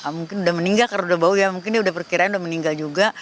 mungkin udah meninggal karena udah bau ya mungkin dia udah perkiraan udah meninggal juga